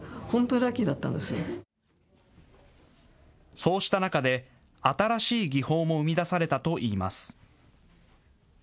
そうした中で新しい技法も生み出されたといいます。